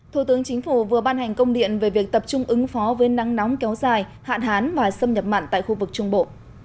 thủ tướng chính phủ vừa ban hành công điện về việc tập trung ứng phó với nắng nóng kéo dài hạn hán và xâm nhập mặn tại khu vực trung bộ